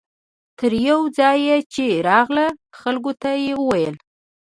تر یوه ځایه چې راغله خلکو ته یې وویل.